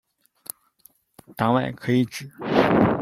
党外可以指：